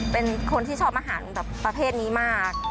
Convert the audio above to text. เป็นคนที่ชอบอาหารแบบประเภทนี้มาก